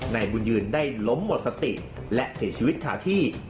นายบุญยืนได้ล้มหมดสติและเสียชีวิตคาที่